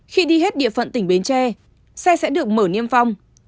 khi đi hết địa phận tỉnh bến tre xe sẽ được mở niêm phong